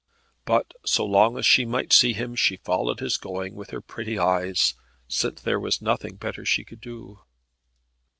But so long as she might see him, she followed his going with her pretty eyes, since there was nothing better she could do.